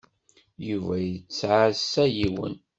Yuba yettɛassa yiwen.